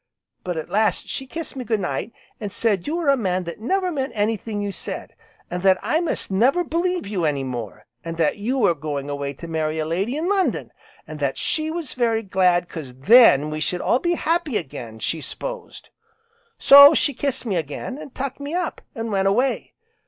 But at last she kissed me 'Good night' an' said you were a man that never meant anything you said, an' that I must never believe you any more, an' that you were going away to marry a lady in London, an' that she was very glad, 'cause then we should all be happy again she s'posed. So she kissed me again, an' tucked me up, an' went away.